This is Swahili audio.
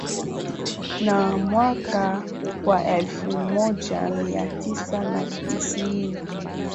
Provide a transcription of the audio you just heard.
Na mwaka wa elfu moja mia tisa na tisini na